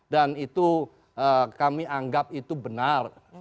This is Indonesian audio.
dan itu kami anggap itu benar